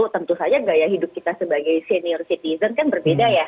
tentu saja gaya hidup kita sebagai senior citizen kan berbeda ya